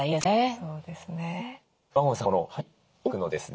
そうですね。